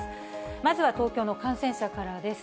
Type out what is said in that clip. まずは東京の感染者からです。